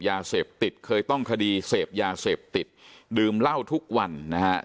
ยาเสพติดเคยต้องคดีเสพยาเสพติดดื่มเหล้าทุกวันนะฮะ